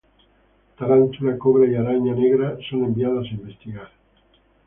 Tarantula, Cobra y Araña Negra son enviados a investigar.